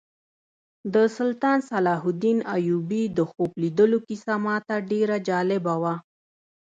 د سلطان صلاح الدین ایوبي د خوب لیدلو کیسه ماته ډېره جالبه وه.